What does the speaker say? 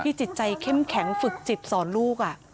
จิตใจเข้มแข็งฝึกจิตสอนลูก